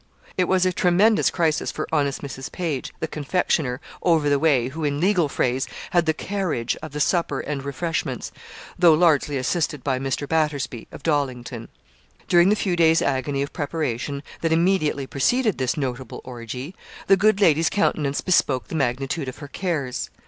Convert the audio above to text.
It was a tremendous crisis for honest Mrs. Page, the confectioner, over the way, who, in legal phrase, had 'the carriage' of the supper and refreshments, though largely assisted by Mr. Battersby, of Dollington. During the few days' agony of preparation that immediately preceded this notable orgie, the good lady's countenance bespoke the magnitude of her cares.